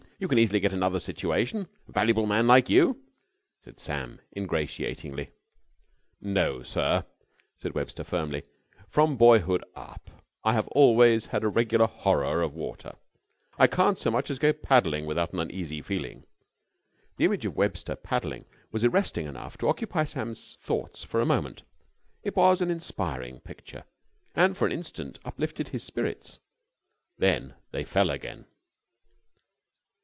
You can easily get another situation. A valuable man like you," said Sam, ingratiatingly. "No, sir," said Webster firmly. "From boyhood up I've always had a regular horror of the water. I can't so much as go paddling without an uneasy feeling." The image of Webster paddling was arresting enough to occupy Sam's thoughts for a moment. It was an inspiring picture, and for an instant uplifted his spirits. Then they fell again.